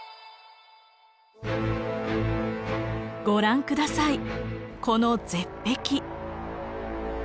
ご覧下さいこの絶壁。